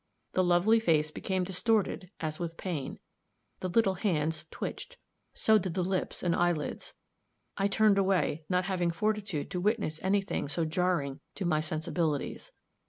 The lovely face became distorted as with pain; the little hands twitched so did the lips and eyelids. I turned away, not having fortitude to witness any thing so jarring to my sensibilities.